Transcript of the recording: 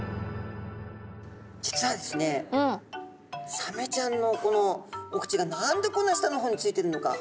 サメちゃんのこのお口が何でこんな下の方についてるのか。